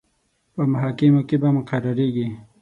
په محاکمو کې به مقرریږي.